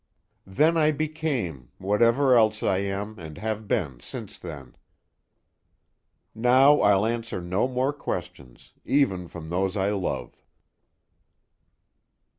Then I became whatever else I am, and have been since then. Now I'll answer no more questions, even from those I love."